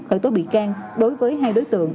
khởi tố bị can đối với hai đối tượng